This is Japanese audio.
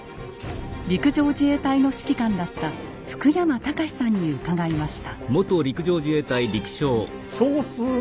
陸上自衛隊の指揮官だった福山隆さんに伺いました。